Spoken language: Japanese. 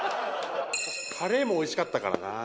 カレーもおいしかったからなぁ。